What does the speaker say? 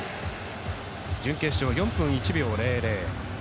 準決勝、４分１秒００。